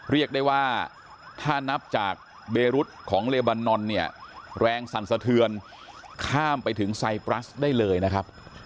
เรียกได้ว่าถ้านับจากเบรุษของเลบันนอนเนี่ยแรงสั่นสะเทือนข้ามไปถึงไซปรัสได้เลยนะครับ